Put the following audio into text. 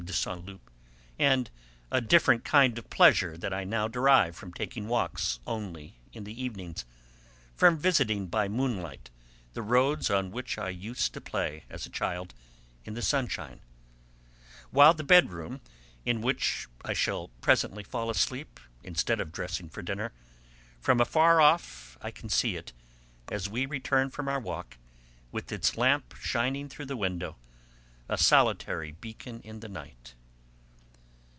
de Saint Loup, and a different kind of pleasure that I now derive from taking walks only in the evenings, from visiting by moonlight the roads on which I used to play, as a child, in the sunshine; while the bedroom, in which I shall presently fall asleep instead of dressing for dinner, from afar off I can see it, as we return from our walk, with its lamp shining through the window, a solitary beacon in the night.